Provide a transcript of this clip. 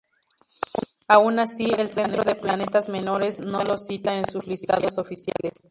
Aun así, el Centro de Planetas Menores no lo cita en sus listados oficiales.